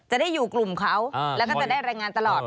จะได้อยู่กลุ่มเขาแล้วก็จะได้รายงานตลอด